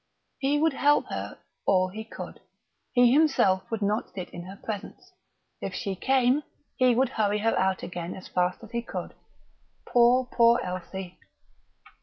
He would help her all he could. He himself would not sit in her presence. If she came, he would hurry her out again as fast as he could.... Poor, poor Elsie!